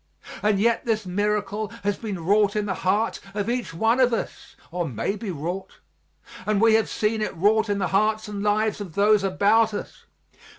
And yet this miracle has been wrought in the heart of each one of us or may be wrought and we have seen it wrought in the hearts and lives of those about us.